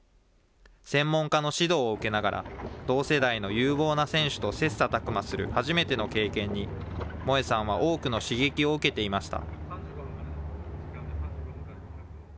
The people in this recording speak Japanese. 専門家の指導を受けながら、同世代の有望な選手と切さたく磨する、初めての経験に、萌恵さんは多くの刺激を受けていました。